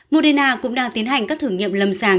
moderna cũng đang tiến hành các thử nghiệm lâm sàng